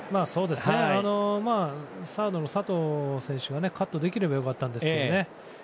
サードの佐藤選手がカットできれば良かったんですけどね。